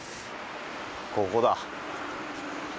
ここだ。